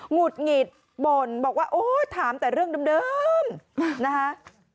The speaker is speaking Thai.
หุดหงิดบ่นบอกว่าโอ้ยถามแต่เรื่องเดิมนะคะ